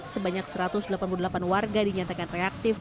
sebanyak satu ratus delapan puluh delapan warga dinyatakan reaktif